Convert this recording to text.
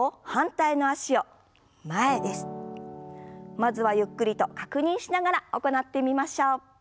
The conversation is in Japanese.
まずはゆっくりと確認しながら行ってみましょう。